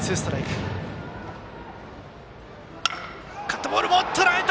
カットボールをとらえた！